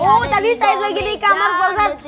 oh tadi sait lagi di kamar posen